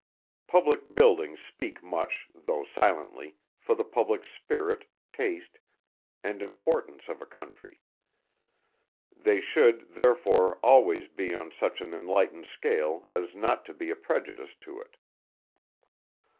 Public buildings speak much, though silently, for the public spirit, taste, and importance of a country. They should, therefore, always be on such an enlightened scale as not to be a prejudice to it.